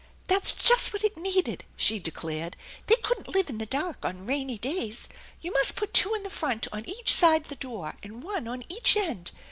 "That's just what it needed!" she declared "They couldn't live in the dark on rainy days. You must put two in the front on each side the door, and one on each end.